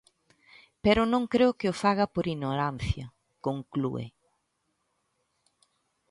"Pero non creo que o faga por ignorancia", conclúe.